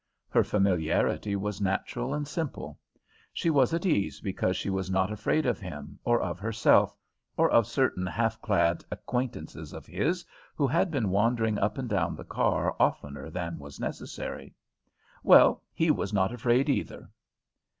Her familiarity was natural and simple. She was at ease because she was not afraid of him or of herself, or of certain half clad acquaintances of his who had been wandering up and down the car oftener than was necessary. Well, he was not afraid, either.